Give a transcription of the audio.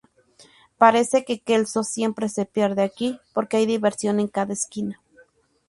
Parece que Kelso siempre se pierde aquí, porque "hay diversión en cada esquina".